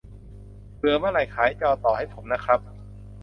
เบื่อ เมื่อไหร่ ขายจอต่อให้ผมนะครับ